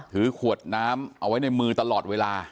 ถือขวดน้ำเอาไว้ในมือตลอดเวลา